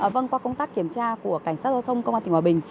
vâng qua công tác kiểm tra của cảnh sát giao thông công an tỉnh hòa bình